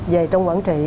dày trong quản trị